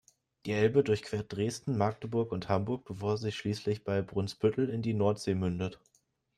Die Elbe durchquert Dresden, Magdeburg und Hamburg, bevor sie schließlich bei Brunsbüttel in die Nordsee mündet.